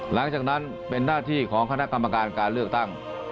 หลังจากนั้นเป็นหน้าที่ของคณะกรรมการการเลือกตั้ง